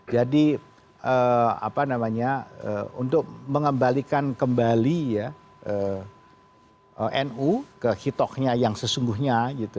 jadi untuk mengembalikan kembali nu ke hitoknya yang sesungguhnya